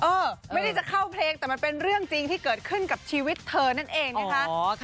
เออไม่ได้จะเข้าเพลงแต่มันเป็นเรื่องจริงที่เกิดขึ้นกับชีวิตเธอนั่นเองนะคะ